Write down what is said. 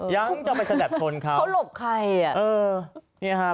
ยังจะไปแสดบทนครับเขาหลบใครอ่ะ